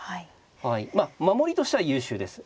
まあ守りとしては優秀です。